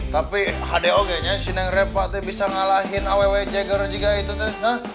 tapi hdo kayaknya si reva bisa ngalahin aww jagger juga itu